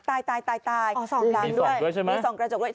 ตายอ๋อ๒ครั้งด้วย